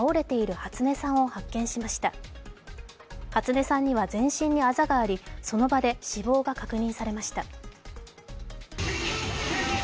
初音さんには全身にあざがありその場で死亡が確認されました。